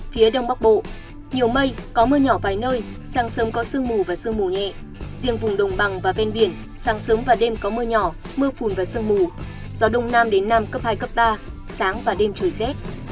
phía đông bắc bộ nhiều mây có mưa nhỏ vài nơi sáng sớm có sương mù và sương mù nhẹ riêng vùng đồng bằng và ven biển sáng sớm và đêm có mưa nhỏ mưa phùn và sương mù gió đông nam đến nam cấp hai cấp ba sáng và đêm trời rét